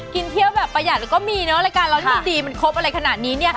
กินเที่ยวแบบประหยัดแล้วก็มีเนอะรายการเราที่มันดีมันครบอะไรขนาดนี้เนี่ย